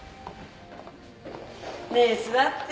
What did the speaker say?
ねえ座って。